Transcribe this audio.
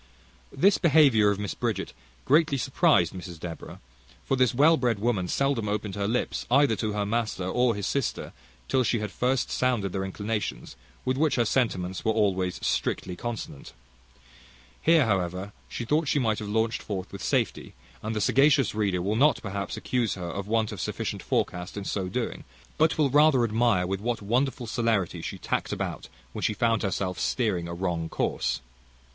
This behaviour of Mrs Bridget greatly surprised Mrs Deborah; for this well bred woman seldom opened her lips, either to her master or his sister, till she had first sounded their inclinations, with which her sentiments were always consonant. Here, however, she thought she might have launched forth with safety; and the sagacious reader will not perhaps accuse her of want of sufficient forecast in so doing, but will rather admire with what wonderful celerity she tacked about, when she found herself steering a wrong course.